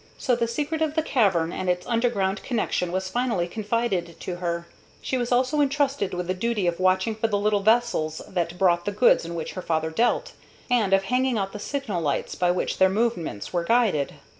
So the secret of the cavern and its underground connection was finally confided to her. She was also intrusted with the duty of watching for the little vessels that brought the goods in which her father dealt, and of hanging out the signal lights by which their movements were guided.